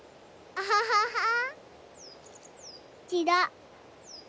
アハハハハ！